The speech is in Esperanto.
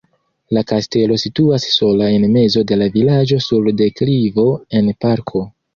La kastelo situas sola en mezo de la vilaĝo sur deklivo en parko.